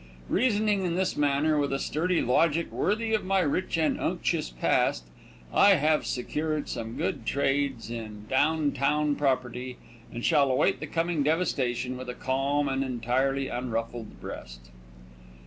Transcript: Reasoning in this manner with a sturdy logic worthy of my rich and unctious past, I have secured some good trades in down town property, and shall await the coming devastation with a calm and entirely unruffled breast.